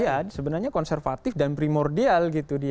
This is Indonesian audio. iya sebenarnya konservatif dan primordial gitu dia